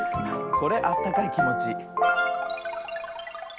これあったかいきもち。